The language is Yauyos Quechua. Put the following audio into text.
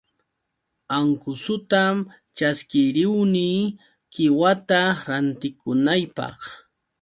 Anqusutam ćhaskiruni qiwata rantikunaypaq.